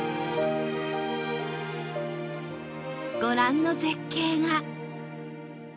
ご覧の絶景が